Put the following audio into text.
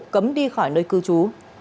cấm đi khỏi nơi cư trú